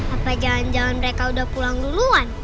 apa jangan jangan mereka udah pulang duluan